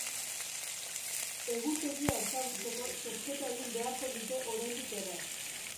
Egutegia ezagutzeko zozketa egin beharko dute oraindik ere.